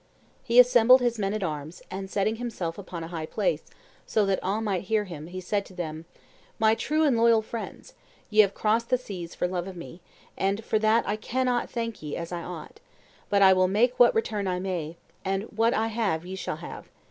He assembled his men at arms, and setting himself upon a high place, so that all might hear him, he said to them, "My true and loyal friends, ye have crossed the seas for love of me, and for that I cannot thank ye as I ought; but I will make what return I may, and what I have ye shall have.